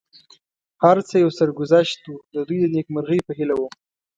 هر څه یو سرګذشت و، د دوی د نېکمرغۍ په هیله ووم.